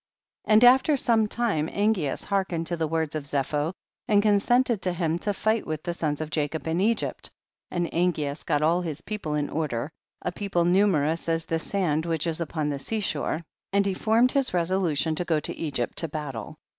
7. And after some time Angeas hearkened to the words of Zepho and consented to him to fight with the sons of Jacob in Egypt, and Angeas got all his people in order, a people numerous as the sand which is upon the sea shore, and he formed his resolution to go to Egypt to battle.